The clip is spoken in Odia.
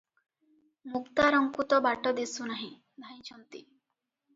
ମୁକ୍ତାରଙ୍କୁ ତ ବାଟ ଦିଶୁ ନାହିଁ, ଧାଇଁଛନ୍ତି ।